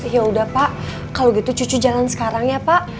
yaudah pak kalau gitu cucu jalan sekarang ya pak